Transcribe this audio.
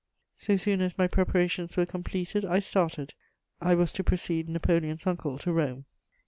So soon as my preparations were completed I started: I was to precede Napoleon's uncle to Rome.